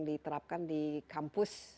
diterapkan di kampus